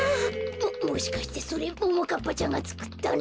ももしかしてそれももかっぱちゃんがつくったの？